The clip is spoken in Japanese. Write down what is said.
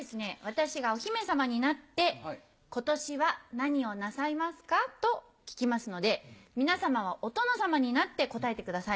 私がお姫様になって「今年は何をなさいますか？」と聞きますので皆様はお殿様になって答えてください。